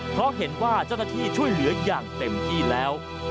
เพราะเห็นว่าเจ้าหน้าที่ช่วยเหลืออย่างเต็มที่แล้ว